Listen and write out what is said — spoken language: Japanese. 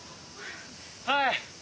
はい！